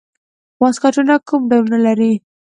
واسکټونه کوم ډولونه لري؟